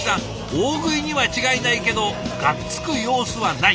大食いには違いないけどがっつく様子はない。